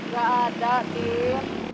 ga ada tir